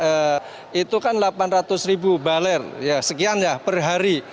kebutuhan konsumsi bbm kita itu kan delapan ratus ribu baler ya sekian ya per hari